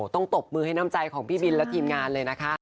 ตบมือให้น้ำใจของพี่บินและทีมงานเลยนะคะ